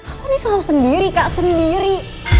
aku nih selalu sendiri kak sendiri